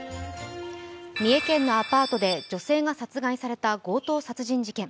三重県のアパートで女性が殺害された強盗殺人事件。